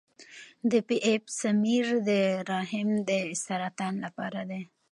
د پی ایپ سمیر د رحم د سرطان لپاره دی.